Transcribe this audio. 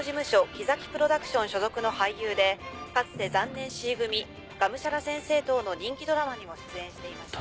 きざきプロダクション所属の俳優でかつて『残念Ｃ組』『がむしゃら先生』等の人気ドラマにも出演していました」